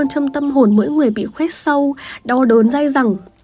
hết thương trong tâm hồn mỗi người bị khuét sâu đau đớn dai rằng